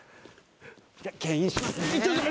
けん引しますね。